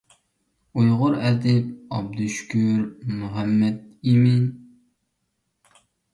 ئۇيغۇر ئەدىب ئابدۇشۈكۈر مۇھەممەتئىمىن.